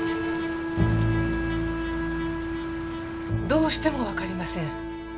どうしてもわかりません。